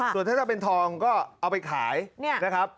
ส่วนถ้าจะเป็นทองก็เอาไปขายนะครับ